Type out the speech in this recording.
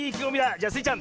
じゃあスイちゃん